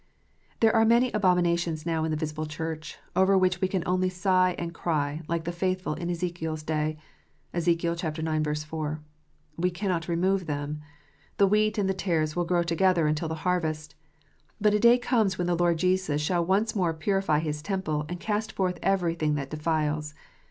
There are many abominations now in the visible Church, over which we can only sigh and cry, like the faithful in Ezekiel s day. (Ezek. ix. 4.) We cannot remove them. The wheat and the tares will grow together until the harvest. But a day comes when the Lord Jesus shall once more purify His temple, and cast forth everything that denies.